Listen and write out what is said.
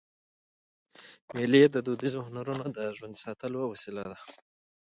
مېلې د دودیزو هنرونو د ژوندي ساتلو وسیله ده.